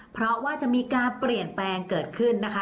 เพราะว่าจะมีการเปลี่ยนแปลงเกิดขึ้นนะคะ